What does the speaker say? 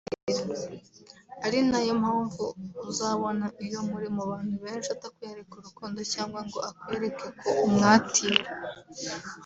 ari nayo mpamvu uzabona iyo muri mu bantu benshi atakwereka urukundo cyangwa ngo akwereke ko umwatira